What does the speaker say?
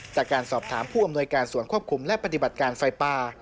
จากการสอบถามผู้อำนวยการส่วนควบคุมและปฏิบัติการไฟป่า